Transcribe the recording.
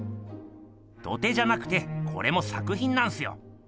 土手じゃなくてこれも作ひんなんすよ。